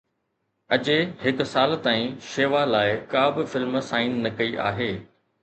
اجي هڪ سال تائين شيوا لاءِ ڪا به فلم سائن نه ڪئي آهي